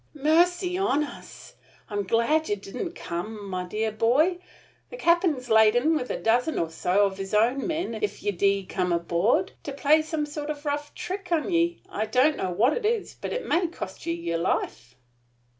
"Mercy on us! I'm glad ye didn't come, my dear boy. The cap'n's laid in with a dozen or so of his own men, if ye do come aboard, to play some sort of a rough trick on ye. I don't know what it is, but it may cost ye yer life."